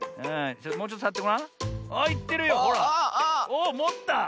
おおもった！